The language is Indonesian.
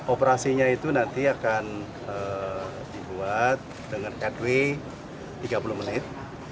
operasinya itu nanti akan dibuat dengan headway tiga puluh menit